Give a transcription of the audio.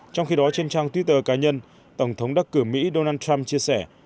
trong khi đó trên trang twitter cá nhân tổng thống đắc cử mỹ donald trump chia sẻ